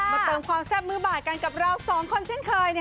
เติมความแซ่บมือบ่ายกันกับเราสองคนเช่นเคย